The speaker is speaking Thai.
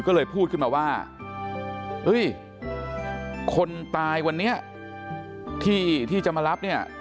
ก็เลยพูดขึ้นมาว่าเฮ้ยคนตายวันนี้ที่จะมารับเนี่ย